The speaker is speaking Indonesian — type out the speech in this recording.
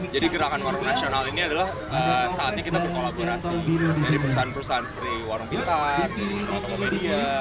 jadi gerakan warung nasional ini adalah saatnya kita berkolaborasi dari perusahaan perusahaan seperti warung pintar tokopedia